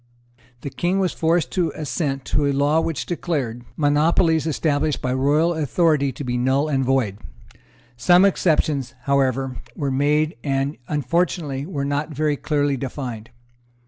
The King was forced to give his assent to a law which declared monopolies established by royal authority to be null and void. Some exceptions, however, were made, and, unfortunately, were not very clearly defined.